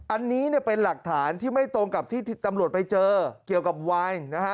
อันนี้เนี่ยเป็นหลักฐานที่ไม่ตรงกับที่ตำรวจไปเจอเกี่ยวกับวายนะฮะ